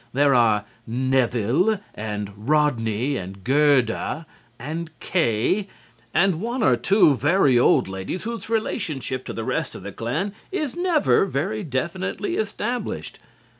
There are Neville and Rodney and Gerda and Kay, and one or two very old ladies whose relationship to the rest of the clan is never very definitely established.